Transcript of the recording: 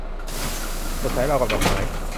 สดใสราวกับดอกไม้